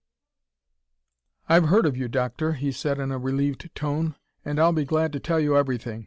"I've heard of you, Doctor," he said in a relieved tone, "and I'll be glad to tell you everything.